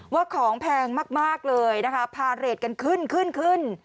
ว่าของแพงมากเลยนะคะพาเรทกันขึ้นขึ้น